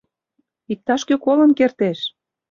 Иктаж-кӧ колын кертеш.